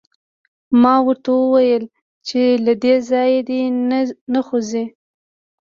ما ورته ویلي وو چې له دې ځایه دې نه خوځي